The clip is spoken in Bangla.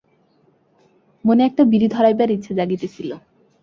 মনে একটা বিড়ি ধরাইবার ইচ্ছা জাগিতেছিল।